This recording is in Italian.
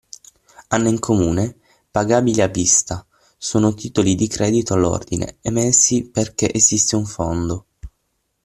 Hanno in comune: pagabili a vista, sono titoli di credito all'ordine, emessi perché esiste un fondo.